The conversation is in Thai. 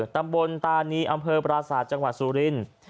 ตำบลตานีอำเภอปราศาสตร์จังหวัดสุรินทร์